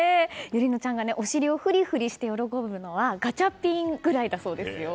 友里乃ちゃんがお尻をふりふりして喜ぶのはガチャピンぐらいだそうですよ。